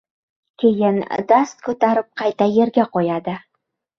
Keyin dast ko‘tarib, qayta yerga qo‘yadi.